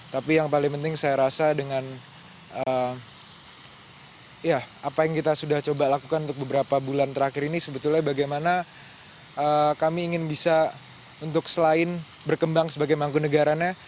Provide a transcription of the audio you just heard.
tapi yang paling penting saya rasa dengan apa yang kita sudah coba lakukan untuk beberapa bulan terakhir ini sebetulnya bagaimana kami ingin bisa untuk selain berkembang sebagai mangku negaranya